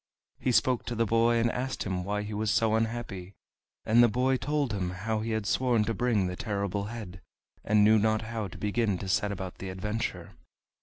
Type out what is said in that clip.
He spoke to the boy, and asked him why he was so unhappy; and the boy told him how he had sworn to bring the Terrible Head, and knew not how to begin to set about the adventure.